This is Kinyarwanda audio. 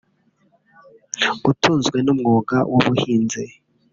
utunzwe n’umwuga w’ubuhizi